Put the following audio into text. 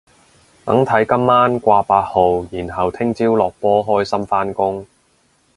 等睇今晚掛八號然後聽朝落波開心返工